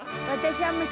私は。